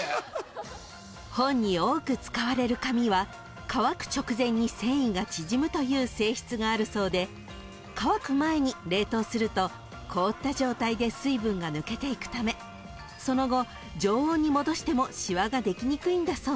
［本に多く使われる紙は乾く直前に繊維が縮むという性質があるそうで乾く前に冷凍すると凍った状態で水分が抜けていくためその後常温に戻してもしわができにくいんだそうです］